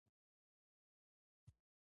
دا توکي یوازې د پلورلو او مبادلې لپاره تولیدېږي